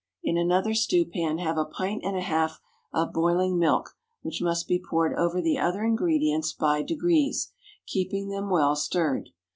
In another stewpan have a pint and a half of boiling milk, which must be poured over the other ingredients by degrees, keeping them well stirred.